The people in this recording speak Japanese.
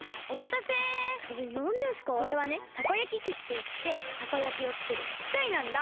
たこ焼き器っていってたこ焼きをつくるきかいなんだ。